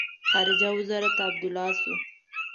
خارجه وزارت د عبدالله شو.